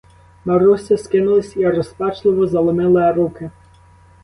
Маруся скинулась і розпачливо заломила руки.